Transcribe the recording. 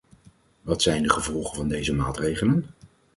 Wat zijn de gevolgen van deze maatregelen?